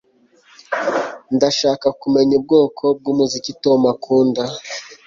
Ndashaka kumenya ubwoko bwumuziki Tom akunda